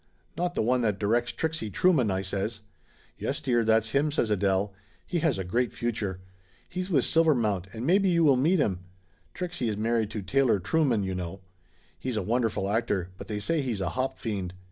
"Not the one that directs Trixie Trueman !" I says. "Yes, dear, that's him," says Adele. "He has a great future. He's with Silvermount and maybe you will meet him. Trixie is married to Taylor Trueman, you know. He's a wonderful actor but they say he's a hop fiend.